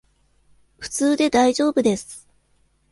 普通でだいじょうぶです